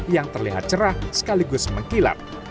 yang terlihat cerah sekaligus mengkilap